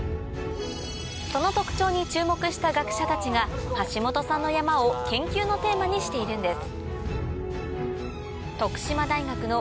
その特徴に注目した学者たちが橋本さんの山を研究のテーマにしているんです